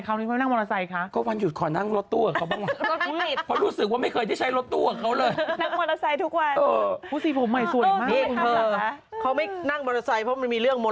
เขาไม่นั่งโมร่าไซค์ไม่มีเรื่องม้อย